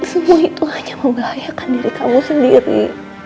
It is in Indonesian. semua itu hanya membahayakan diri kamu sendiri